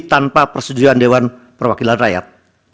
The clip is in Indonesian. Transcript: tanpa persetujuan dewan perwakilan rakyat